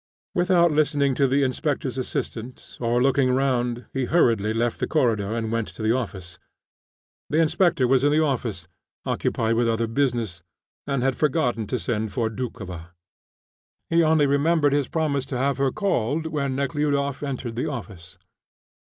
Without listening to the inspector's assistant, or looking round, he hurriedly left the corridor, and went to the office. The inspector was in the office, occupied with other business, and had forgotten to send for Doukhova. He only remembered his promise to have her called when Nekhludoff entered the office.